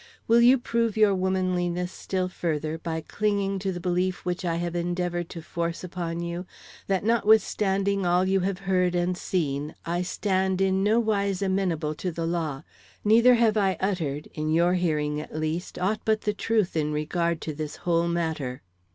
Will you prove your womanliness still further by clinging to the belief which I have endeavored to force upon you, that notwithstanding all you have heard and seen, I stand in no wise amenable to the law, neither have I uttered, in your hearing at least, aught but the truth in regard to this whole matter?"